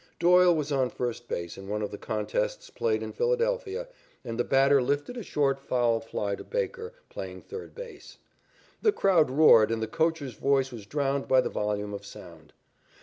Doyle was on first base in one of the contests played in Philadelphia, and the batter lifted a short foul fly to Baker, playing third base. The crowd roared and the coacher's voice was drowned by the volume of sound.